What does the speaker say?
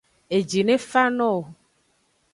Eji ne fa no wo.